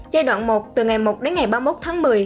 giai đoạn một từ ngày một đến ngày ba mươi một tháng một mươi